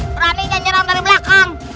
berani menyerang dari belakang